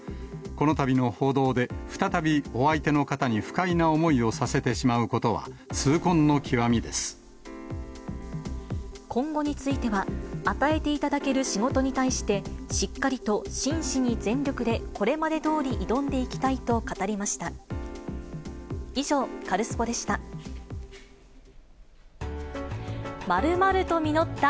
このたびの報道で、再びお相手の方に不快な思いをさせてしまうことは、痛恨の極みで今後については、与えていただける仕事に対して、しっかりと真摯に全力でこれまでどおり挑んでいきたいと語りました。